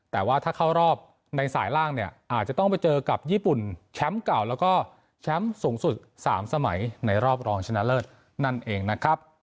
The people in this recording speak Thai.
แต่ว่าถ้าเข้ารอบในสายล่างเนี่ยอาจจะต้องไปเจอกับญี่ปุ่นแชมป์เก่าแล้วก็แชมป์สูงสุด๓สมัยในรอบรองชนะเลิศนั่นเองนะครับ